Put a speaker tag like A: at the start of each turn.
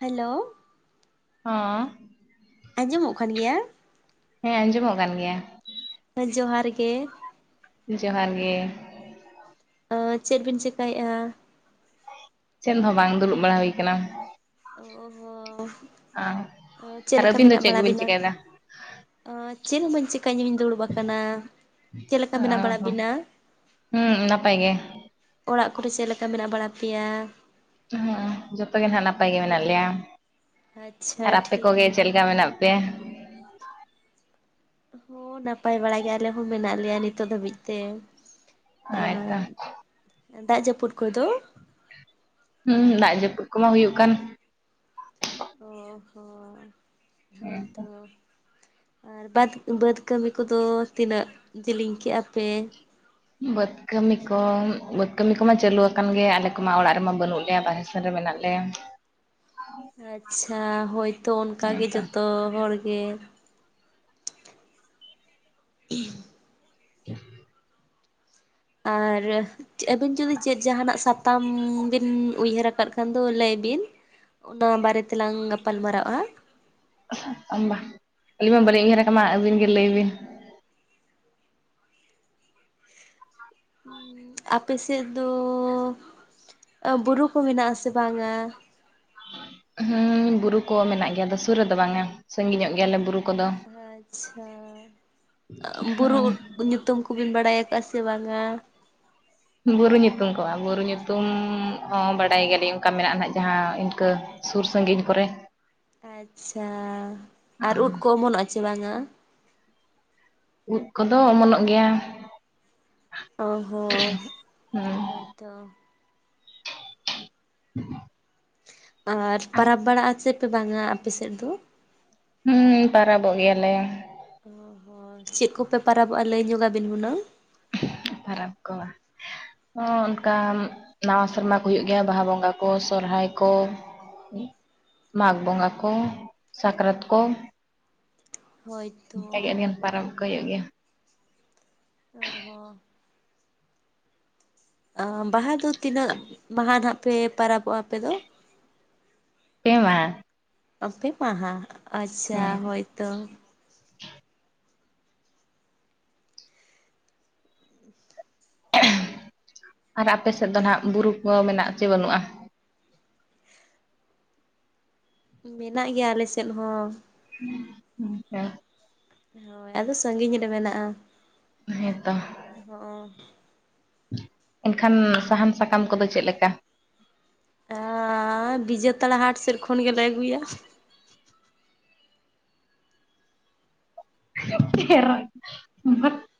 A: Hello.
B: ᱦᱚᱸ᱾
A: ᱟᱸᱡᱚᱢᱚᱜ ᱠᱟᱱ ᱜᱮᱭᱟ?
B: ᱦᱮᱸ ᱟᱸᱡᱚᱢᱚᱜ ᱠᱟᱱ ᱜᱮᱭᱟ᱾
A: ᱦᱮ ᱡᱚᱦᱟᱨ ᱜᱮ᱾
B: ᱡᱚᱦᱟᱨ ᱜᱮ᱾
A: ᱪᱮᱫ ᱵᱤᱱ ᱪᱮᱠᱟᱭᱮᱫᱼᱟ?
B: ᱪᱮᱫ ᱦᱚᱸ ᱵᱟᱝ, ᱫᱩᱲᱩᱵ ᱵᱟᱲᱟ ᱦᱩᱭ ᱟᱠᱟᱱᱟ᱾
A: ᱚ ᱦᱚᱸ
B: ᱟᱨ
A: ᱪᱮᱞᱮᱠᱟ
B: ᱟᱹᱵᱤᱱ ᱫᱚ
A: ᱢᱮᱱᱟᱜ
B: ᱪᱮᱫ
A: ᱵᱟᱲᱟ
B: ᱠᱚᱵᱤᱱ
A: ᱵᱤᱱᱟ?
B: ᱪᱤᱠᱟᱹᱭᱮᱫᱟ
A: ᱟ ᱪᱮᱫ ᱦᱩᱸ ᱵᱟᱹᱧ ᱪᱮ ᱠᱟᱹᱡ ᱧᱚᱜ ᱤᱧ ᱫᱩᱲᱩᱵ ᱟᱠᱟᱱᱟ, ᱪᱮᱫᱮ ᱞᱮᱠᱟ ᱢᱮᱱᱟᱜ ᱵᱟᱲᱟ ᱵᱤᱱᱟ?
B: ᱦᱩᱸ ᱱᱟᱯᱟᱭ ᱜᱮ
A: ᱚᱲᱟᱜ ᱠᱚᱨᱮ ᱪᱮᱞᱮᱠᱟ ᱢᱮᱱᱟᱜ ᱵᱟᱲᱟ ᱯᱮᱭᱟ?
B: ᱦᱸ ᱡᱚᱛᱚ ᱜᱮ ᱱᱟᱦᱟᱜ ᱱᱟᱯ ᱜᱮ ᱢᱮᱱᱟᱜ ᱞᱤᱭᱟ,
A: ᱟᱪᱪᱷᱟ
B: ᱟᱨ ᱟᱯ
A: ᱴᱷᱤᱠ
B: ᱠᱚᱜᱮ
A: ᱜᱮᱭᱟ
B: ᱪᱮᱫ ᱞᱮᱠᱟ ᱢᱮᱱᱟᱜ ᱯᱼᱼ ᱯᱮᱭᱟ?
A: ᱦᱚᱸ ᱱᱟᱯᱟᱭ ᱵᱟᱲᱟ ᱜᱮ ᱟᱞᱮ ᱦᱚᱸ ᱢᱮᱱᱟᱜ ᱞᱮᱭᱟ ᱱᱤᱛᱚᱜ ᱫᱷᱟᱹᱵᱤᱡ ᱛᱮ᱾ ᱟᱨ
B: ᱦᱳᱭᱛᱚ
A: ᱫᱟᱜ ᱡᱟᱹᱯᱩᱫ ᱠᱚᱫᱚ?
B: ᱦᱩᱸ ᱫᱟᱜ ᱡᱟᱯᱩᱫ ᱠᱚᱢᱟ ᱦᱩᱭᱩᱜ ᱠᱟᱱ᱾
A: ᱦᱚᱸ ᱦᱚᱸ ᱦᱳᱭᱛᱚ ᱟᱨ ᱵᱟᱫᱽ ᱵᱟᱹᱫᱽ ᱠᱟᱹᱢᱤ ᱠᱚᱫᱚ ᱛᱤᱱᱟᱹᱜ ᱡᱮᱞᱤᱧ ᱠᱮ-ᱟ ᱯᱮ?
B: ᱵᱟᱹᱫᱽ ᱠᱟᱹᱢᱤ ᱠᱚ, ᱵᱟᱹᱫᱽ ᱠᱟᱹᱢᱤ ᱠᱚᱢᱟ ᱪᱟᱹᱞᱩᱣᱟᱠᱟᱱ ᱜᱮᱭᱟ ᱟᱞᱮ ᱠᱚᱢᱟ ᱚᱲᱟᱜ ᱨᱮᱢᱟ ᱵᱟᱹᱱᱩᱜ ᱞᱮᱭᱟ ᱵᱟᱦ ᱨᱮ ᱢᱮᱱᱟᱜ ᱞᱮᱭᱟ᱾
A: ᱟᱪᱪᱷᱟ ᱦᱳᱭᱛᱳ
B: ᱦᱮᱸ
A: ᱚᱱᱠᱟᱜᱮ
B: ᱛᱚ
A: ᱡᱚᱛᱚ ᱦᱚᱲ ᱜᱮ᱾ [inaudible]
B: [inaudible]
A: ᱟᱨ ᱟᱹᱵᱤᱱ ᱡᱩᱫᱤ ᱪᱮᱫ ᱡᱟᱦᱱᱟᱜ ᱥᱟᱛᱟᱢ ᱵᱤᱱ ᱩᱭᱦᱟᱹᱨ ᱟᱠᱟᱫ ᱠᱷᱟᱱ ᱫᱚ ᱞᱟᱹᱭ ᱵᱤᱱ᱾ ᱚᱱᱟ ᱵᱟᱨᱮ ᱛᱮᱞᱟᱝ ᱜᱟᱯᱟᱞ ᱢᱟᱨᱟᱜ-ᱟ᱾
B: ᱟᱵᱟ ᱟᱹᱞᱤᱧ ᱢᱟ ᱵᱟᱞᱤᱧ ᱩᱭᱦᱟᱹᱨᱟ ᱠᱟᱱᱟ ᱢᱟ ᱟᱹᱵᱤᱱ ᱜᱮ ᱞᱟᱹᱭ ᱵᱤᱱ᱾
A: ᱟᱯᱮ ᱥᱮᱫ ᱫᱚ ᱵᱩᱨᱩ ᱠᱚ ᱢᱮᱱᱟᱜ-ᱟ ᱥᱮ ᱵᱟᱝᱟ?
B: ᱦᱩᱸ ᱵᱩᱨᱩ ᱠᱚ ᱢᱮᱱᱟᱜ ᱜᱮᱭᱟ, ᱟᱫᱚ ᱥᱩᱨ ᱨᱮᱫᱚ ᱵᱟᱝᱟ ᱥᱟᱺᱜᱤᱧ ᱧᱚᱜ ᱜᱮᱭᱟᱞᱮ ᱵᱩᱨᱩ ᱠᱚᱫᱚ
A: ᱟᱪᱪᱷᱟ ᱵᱩᱨᱩ ᱧᱩᱛᱩᱢ ᱠᱩᱵᱤᱱ ᱵᱟᱲᱟᱭ ᱟᱠᱟᱫᱼᱟ ᱥᱮ ᱵᱟᱝ-ᱟ?
B: ᱵᱩᱨᱩ ᱧᱩᱛᱩᱢ ᱠᱚᱜᱼᱟ ᱵᱩᱨᱩ ᱧᱩᱛᱩᱢ ᱦᱚᱸ ᱵᱟᱰᱟᱭ ᱜᱮᱭᱟᱞᱤᱧ ᱚᱱᱠᱟ ᱢᱮᱱᱟᱜᱼᱟ ᱱᱟᱜ ᱡᱟᱦᱟ ᱤᱱᱠᱟᱹ ᱥᱩᱨ ᱥᱟᱺᱜᱤᱧ ᱠᱚᱨᱮ᱾
A: ᱟᱪᱪᱷᱟ ᱟᱨ ᱩᱫ ᱠᱚ ᱚᱢᱟᱱᱚᱜ-ᱟ ᱪᱮ ᱵᱟᱝᱟ?
B: ᱩᱫ ᱠᱚᱫᱚ ᱚᱢᱚᱱᱚᱜ ᱜᱮᱭᱟ᱾
A: ᱚ ᱦᱚᱸ
B: ᱦᱮᱸ
A: ᱦᱳᱭᱛᱚ᱾
B: [inaudible]
A: ᱟᱨ ᱯᱟᱨᱟᱵᱽ ᱵᱟᱲᱟᱜᱼᱟ ᱪᱮ ᱯᱮ ᱵᱟᱝᱟ ᱟᱯᱮ ᱥᱮᱫ ᱫᱚ?
B: ᱦᱩᱸ ᱯᱟᱨᱟᱵᱚᱜ ᱜᱮᱭᱟᱞᱮ᱾
A: ᱚ ᱦᱚᱸ ᱪᱮᱫ ᱠᱚᱯᱮ ᱯᱟᱨᱟᱵᱚᱜᱼᱟ ᱞᱟᱹᱭ ᱧᱚᱜᱟᱵᱤᱱ ᱦᱩᱱᱟᱹᱝ?
B: ᱯᱟᱨᱟᱵ ᱠᱚᱣᱟ ᱚᱱᱠᱟ ᱱᱟᱣᱟ ᱥᱮᱨᱢᱟ ᱠᱚ ᱦᱩᱭᱩᱜ ᱜᱮᱭᱟ ᱵᱟᱦᱟ ᱵᱚᱸᱜᱟ ᱠᱚ ᱥᱚᱨᱦᱟᱭ ᱠᱚ᱾ ᱢᱟᱜ ᱵᱚᱸᱜᱟ ᱠᱚ ᱥᱟᱠᱨᱟᱛ ᱠᱚ᱾ ᱚᱱᱠᱟᱜ ᱜᱮ
A: ᱦᱳᱭᱛᱚ
B: ᱟᱹᱰᱤᱜᱟᱱ ᱯᱚᱨᱟᱵ ᱠᱚ ᱦᱩᱭᱩᱜ ᱜᱮᱭᱟ᱾
A: [unintelligible] ᱵᱟᱦᱟ ᱫᱚ ᱛᱤᱱᱟᱹᱜ ᱢᱟᱦᱟ ᱱᱟᱜ ᱯᱮ ᱯᱟᱨᱚᱵᱚᱜᱼᱟ ᱟᱯᱮ ᱫᱚ?
B: ᱯᱮ ᱢᱟᱦᱟ᱾
A: ᱟᱛᱮ ᱢᱟᱦᱟ ᱟᱪᱪᱷᱟ
B: ᱦᱮᱸ
A: ᱦᱳᱭᱛᱚ
B: ᱟᱨ ᱟᱯᱮ ᱥᱮᱫ ᱫᱚ ᱱᱟᱜ ᱵᱩᱨᱩ ᱠᱚ ᱢᱮᱱᱟᱜ-ᱟ ᱪᱮ ᱵᱟᱹᱱᱩᱜᱼᱟ?
A: ᱢᱮᱱᱟᱜ ᱜᱮᱭᱟ ᱟᱞᱮ ᱥᱮᱫ ᱦᱚᱸ᱾
B: ᱦᱩᱸ ᱚᱝᱠᱟ
A: ᱦᱳᱭ ᱟᱫᱚ ᱥᱟᱸᱜᱤᱧ ᱨᱮ ᱢᱮᱱᱟᱜᱼᱟ᱾
B: ᱦᱮᱸᱛᱚ
A: ᱚ
B: ᱮᱱᱠᱷᱟᱱ ᱥᱟᱦᱟᱱ ᱥᱟᱠᱟᱢ ᱠᱚᱫᱚ ᱪᱮᱫ ᱞᱮᱠᱟ?
A: ᱟᱻᱟ ᱵᱤᱡᱟᱹᱛᱟᱲᱟ ᱦᱟᱴ ᱥᱮᱫ ᱠᱷᱚᱱ ᱜᱮᱞᱮ ᱟᱹᱜᱩᱭᱟ
B: [unintelligible]